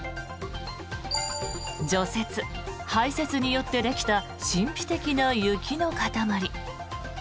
除雪・排雪によってできた神秘的な雪の塊。